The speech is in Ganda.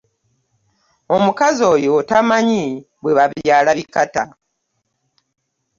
Omukazi oyo tamanyi bwe babyala bikata.